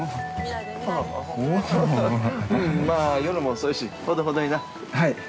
ふん、まぁ夜も遅いしほどほどにな◆はい！